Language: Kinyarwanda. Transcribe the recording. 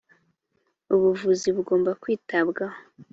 ubuvuzi bugomba kwitabwaho.